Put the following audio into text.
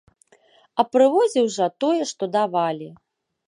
А прывозіў жа, тое, што давалі.